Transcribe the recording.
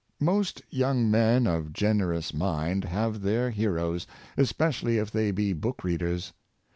Most young men of generous mind have their heroes, especially if they be book readers.